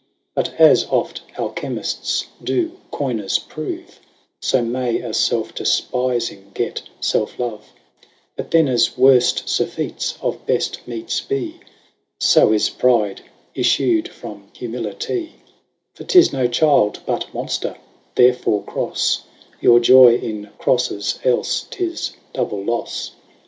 But, as oft Alchimifts doe coyners prove, So may a felfe difpifing, get felfe love, And then as worft furfets, of beft meates bee, Soe is pride, iflued from humility, 40 For, 'tis no child, but monfter ; therefore Crofle Your joy in crofles, elfe, 'tis double lofle.